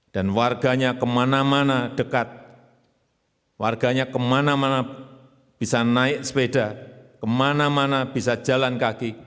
dan warganya kemana mana dekat warganya kemana mana bisa naik sepeda kemana mana bisa jalan kaki